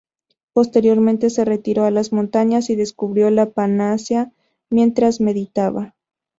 Posteriormente se retiró a las montañas y descubrió la panacea mientras meditaba.